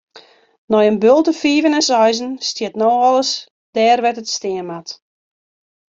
Nei in bulte fiven en seizen stiet no alles dêr wêr't it stean moat.